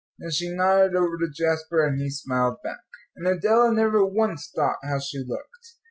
Then she nodded over to Jasper, and he smiled back. And Adela never once thought how she looked.